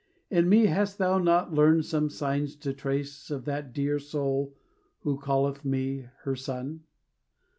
In me hast thou not learned some signs to trace Of that dear soul who calleth me her son?